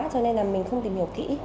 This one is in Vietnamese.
cho nên là mình không tìm hiểu kỹ